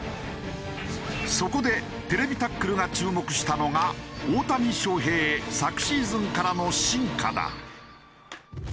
そこで『ＴＶタックル』が注目したのが大谷翔平昨シーズンからの進化だ。